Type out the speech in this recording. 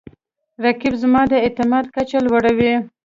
رقیب زما د اعتماد کچه لوړوي